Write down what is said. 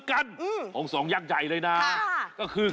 คาถาที่สำหรับคุณ